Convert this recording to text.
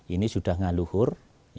ini sudah ngaluhur